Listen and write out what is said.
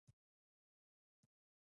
وزیر خان په نوې پوهه پوره سمبال کس و.